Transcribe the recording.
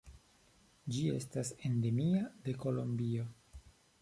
Ĝi estas endemia de Kolombio.